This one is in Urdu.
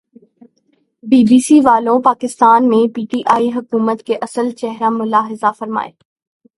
بی بی سی والو پاکستان میں پی ٹی آئی حکومت کا اصل چہرا ملاحظہ فرمائیں